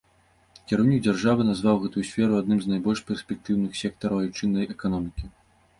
Кіраўнік дзяржавы назваў гэтую сферу адным з найбольш перспектыўных сектараў айчыннай эканомікі.